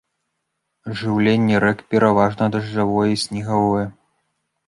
Жыўленне рэк пераважна дажджавое і снегавое.